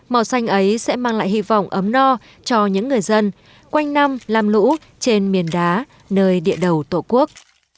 màu xanh ấy sẽ mang lại hy vọng ấm no cho những người dân quanh năm làm lũ trên miền đá nơi địa đầu tổ quốc